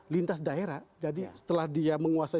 lintas daerah jadi setelah dia menguasai